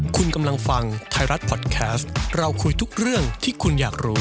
คุณกำลังฟังไทยรัฐพอดแคสต์เราคุยทุกเรื่องที่คุณอยากรู้